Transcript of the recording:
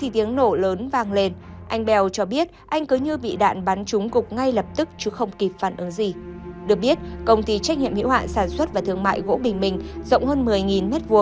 được biết công ty trách nhiệm hiệu hạn sản xuất và thương mại gỗ bình minh rộng hơn một mươi m hai